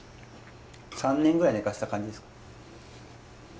３年ぐらい寝かした感じですか？